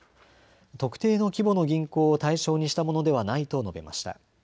特定の規模の銀行を対象にしたものではないと述べました。